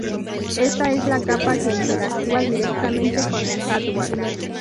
Esta es la capa que interactúa directamente con el hardware.